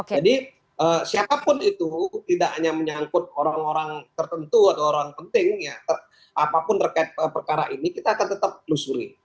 jadi siapapun itu tidak hanya menyangkut orang orang tertentu atau orang penting apapun terkait perkara ini kita akan tetap lusuri